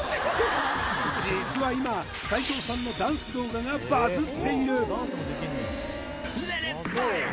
実は今斎藤さんのダンス動画がバズっている！